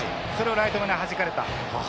それをライト前にはじかれた。